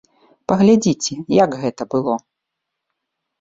Паглядзіце, як гэта было.